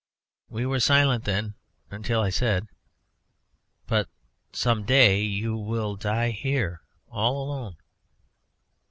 We were silent then until I said: "But some day you will die here all alone."